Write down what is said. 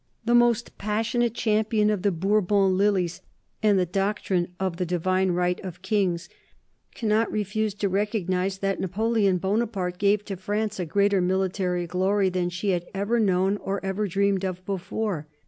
The most passionate champion of the Bourbon lilies and the doctrine of the divine right of kings cannot refuse to recognize that Napoleon Bonaparte gave to France a greater military glory than she had ever known or ever dreamed of before.